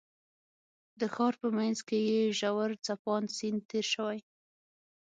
د ښار په منځ کې یې ژور څپاند سیند تېر شوی.